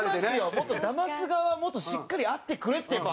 もっとだます側はもっとしっかりあってくれってやっぱ。